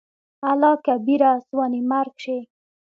الله کبيره !ځواني مرګ شې.